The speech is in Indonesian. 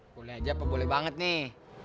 boleh aja apa boleh banget nih